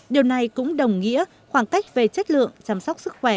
điều này cũng đồng nghĩa khoảng cách về chất lượng chăm sóc sức khỏe